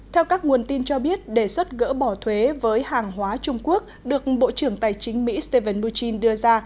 theo các nguồn tin cho biết đề xuất gỡ bỏ thuế với hàng hóa trung quốc được bộ trưởng tài chính mỹ stephen mnuchin đưa ra